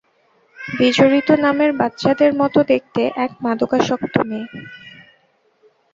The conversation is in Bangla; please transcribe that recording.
বিরজিত নামের বাচ্চাদের মতো দেখতে এক মাদকাসক্ত মেয়ে।